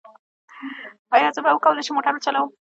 ایا زه به وکولی شم موټر وچلوم؟